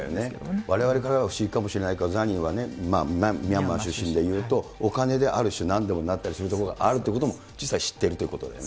われわれからは不思議かもしれないですけど、ザニーはミャンマー出身でいうと、お金である種、なんでもなったりするということも実際知っているということでね。